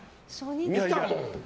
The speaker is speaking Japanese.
見たもん。